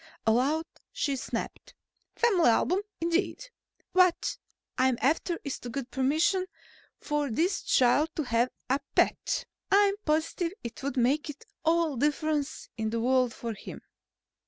Aloud she snapped: "Family album, indeed! What I'm after is to get permission for this child to have a pet. I'm positive it would make all the difference in the world to him."